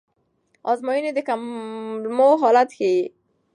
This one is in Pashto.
ازموینې د کولمو حالت ښيي.